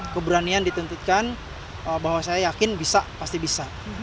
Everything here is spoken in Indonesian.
keberanian dituntutkan bahwa saya yakin bisa pasti bisa